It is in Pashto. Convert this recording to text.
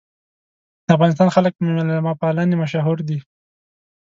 د افغانستان خلک په میلمه پالنې مشهور دي.